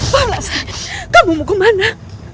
palastri kamu mau ke mana